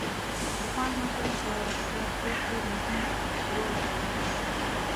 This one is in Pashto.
• بخار ماشین په ټرانسپورټ کې مهم رول درلود.